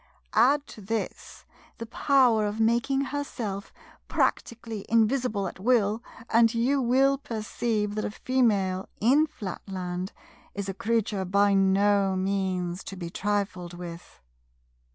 Add to this the power of making herself practically invisible at will, and you will perceive that a Female, in Flatland, is a creature by no means to be trifled with.